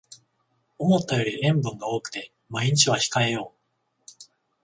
思ったより塩分が多くて毎日は控えよう